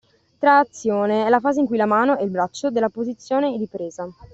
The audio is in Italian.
Trazione: è la fase in cui la mano (e il braccio) dalla posizione di presa